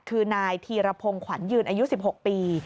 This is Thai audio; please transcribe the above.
คือนายธีรพงศ์ขวัญยืนอายุ๑๖ปี